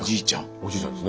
おじいちゃんですね。